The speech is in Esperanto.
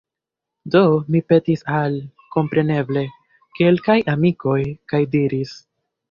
Do mi petis al, kompreneble, kelkaj amikoj, kaj diris: